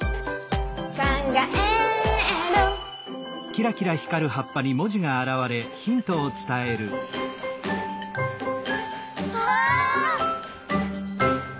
「かんがえる」うわ！